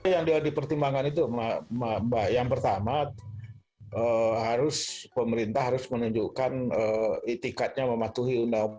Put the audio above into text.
yang dipertimbangkan itu mbak yang pertama harus pemerintah harus menunjukkan itikatnya mematuhi undang undang